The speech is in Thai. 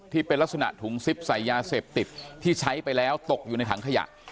ที่เป็นลักษณะถุงซิปใส่ยาเสพติดที่ใช้ไปแล้วตกอยู่ในถังขยะ